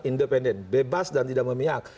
independen bebas dan tidak memihak